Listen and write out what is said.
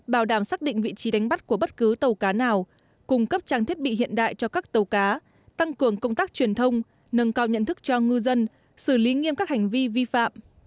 bảo đảm xác định vị trí đánh bắt của bất cứ tàu cá nào cung cấp trang thiết bị hiện đại cho các tàu cá tăng cường công tác truyền thông nâng cao nhận thức cho ngư dân xử lý nghiêm các hành vi vi phạm